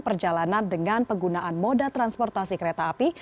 perjalanan dengan penggunaan moda transportasi kereta api